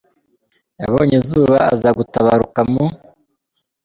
yabonye izuba, aza gutabaruka mu .